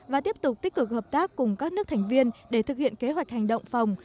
và tiếp tục tích cực hợp tác cùng các nước thành viên để thực hiện kế hoạch hành động phòng